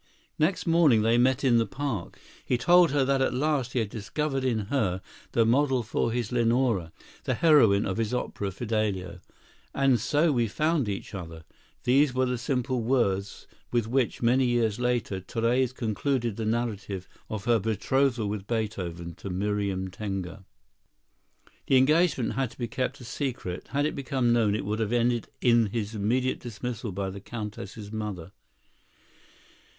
Next morning they met in the park. He told her that at last he had discovered in her the model for his Leonore, the heroine of his opera "Fidelio." "And so we found each other"—these were the simple words with which, many years later, Therese concluded the narrative of her betrothal with Beethoven to Miriam Tenger. The engagement had to be kept a secret. Had it become known, it would have ended in his immediate dismissal by the Countess' mother.